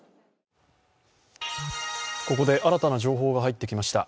ここで新たな情報が入ってきました。